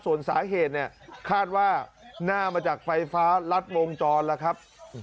ส่วนสาเหตุเนี่ยคาดว่าหน้ามาจากไฟฟ้ารัดวงจรแล้วครับ